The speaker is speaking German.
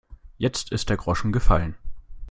Jetzt ist der Groschen gefallen.